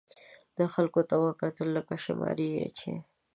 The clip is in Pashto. ده خلکو ته وکتل، لکه شماري یې چې.